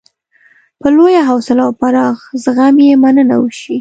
په لویه حوصله او پراخ زغم یې مننه وشي.